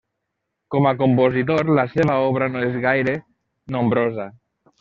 Com a compositor la seva obra no és gaire nombrosa.